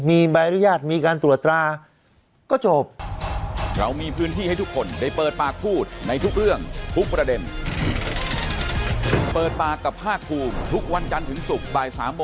มีบริษัทมีการตรวจตราก็จบ